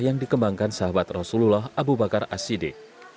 yang dikembangkan sahabat rasulullah abu bakar as siddiq